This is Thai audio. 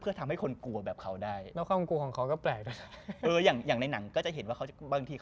เพื่อทำให้คนกลัวแบบเขาได้